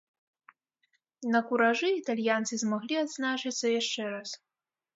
На куражы італьянцы змаглі адзначыцца яшчэ раз.